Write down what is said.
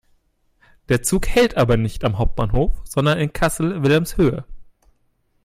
Der Zug hält aber nicht am Hauptbahnhof, sondern in Kassel-Wilhelmshöhe.